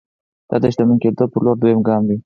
دا د شتمن کېدو پر لور دویم ګام دی